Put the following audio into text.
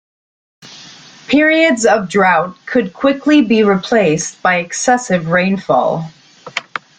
Periods of drought could quickly be replaced by excessive rainfall.